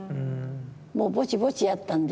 もうボチボチやったんで。